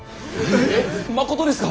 まことですか？